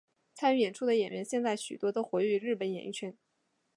参与演出的演员现在许多都活跃于日本演艺圈。